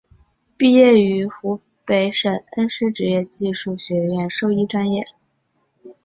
毕业于湖北省恩施职业技术学院兽医专业。